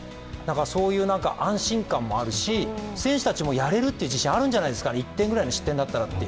そういう安心感もあるし選手たちもやれるという自信があるんじゃないですか、１点ぐらいの失点だったらという。